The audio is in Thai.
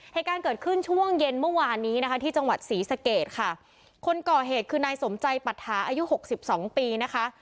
เหตุการณ์เกิดขึ้นช่วงเย็นเมื่อวานนี้นะคะที่จังหวัดศรีสเกตค่ะคนก่อเหตุคือนายสมใจปรัฐาอายุหกสิบสองปีนะคะ